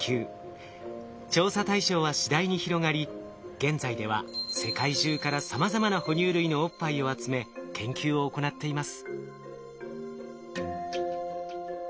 現在では世界中からさまざまな哺乳類のおっぱいを集め研究を行っています。